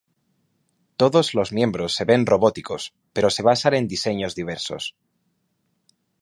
Todos los miembros se ven robóticos, pero se basan en diseños diversos.